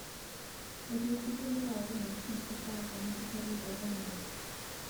Roedd hi wedi bwrw glaw gymaint nes bod yr afon wedi gorlifo'i glannau.